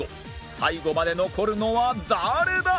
最後まで残るのは誰だ？